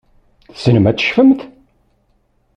Tessnemt ad tecfemt?